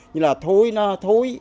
như là thúi nó thúi